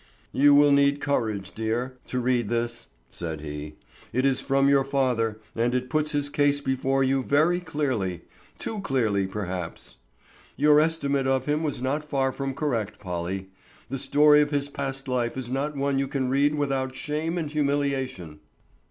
"You will need courage, dear, to read this," said he. "It is from your father and it puts his case before you very clearly—too clearly, perhaps. Your estimate of him was not far from correct, Polly. The story of his past life is not one you can read without shame and humiliation."